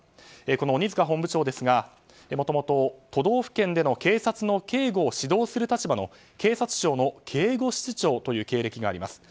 この鬼塚本部長ですがもともと都道府県で警察の警護を指導する立場の警察庁の警護室長という経歴があります。